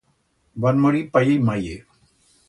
Van morir paye y maye.